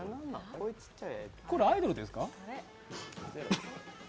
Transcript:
これ、アイドルですか？